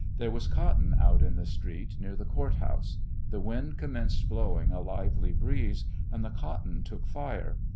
Th^re was cotton out in the street near the court house.' The wind com menced blowing a lively breeze, and the cotton took fire.